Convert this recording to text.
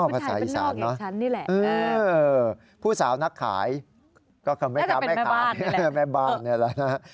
อ๋อภาษาอีสานเนอะผู้สาวนักขายก็คือแม่ขาวแม่บ้านนี่แหละ